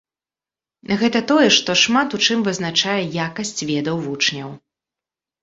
Гэта тое, што шмат у чым вызначае якасць ведаў вучняў.